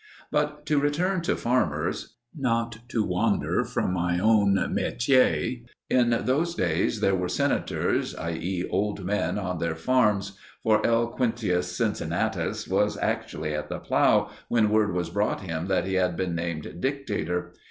But to return to farmers not to wander from my own metier. In those days there were senators, i. e. old men, on their farms. For L. Quinctius Cincinnatus was actually at the plough when word was brought him that he had been named Dictator.